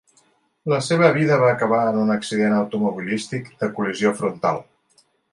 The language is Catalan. La seva vida va acabar en un accident automobilístic de col·lisió frontal.